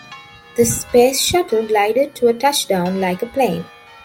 The Space Shuttle glided to a touchdown like a plane.